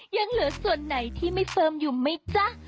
ยังเหลือส่วนไหนที่ไม่เฟิร์มอยู่ไหมจ๊ะ